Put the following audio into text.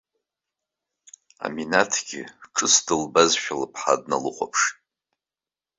Аминаҭгьы, ҿыц дылбозшәа, лыԥҳа дналыхәаԥшит.